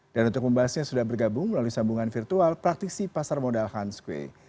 dan untuk membahasnya sudah bergabung melalui sambungan virtual praktisi pasar modal hans kueh